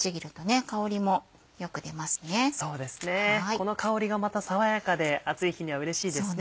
この香りがまた爽やかで暑い日にはうれしいですね。